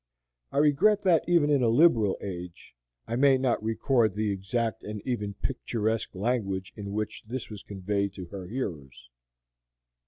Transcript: I regret that, even in a liberal age, I may not record the exact and even picturesque language in which this was conveyed to her hearers.